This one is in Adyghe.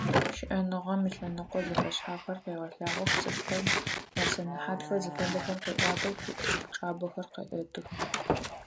ЩыӀэныгъэм ылъэныкъо зэфэшъхьафхэр къегъэлъагъох, цӀыфхэм ясэнэхьатхэр зыфэдэхэр къеӀуатэх, упчӀабэхэр къеӀэтых.